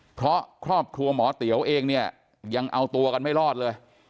เพราะครอบครัวหมอเตี๋ยวเองเนี่ยยังเอาตัวกันไม่รอดเลย